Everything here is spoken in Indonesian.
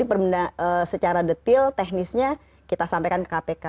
itu perlu diperbeda secara detail teknisnya kita sampaikan ke kpk